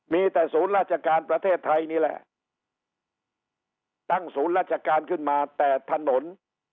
มีแต่ศูนย์ราชการประเทศไทยนี่แหละตั้งศูนย์ราชการขึ้นมาแต่ถนน